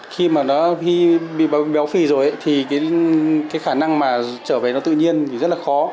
khi mà nó bị béo phì rồi thì cái khả năng mà trở về nó tự nhiên thì rất là khó